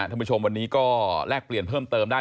ท่านผู้ชมวันนี้ก็แลกเปลี่ยนเพิ่มเติมได้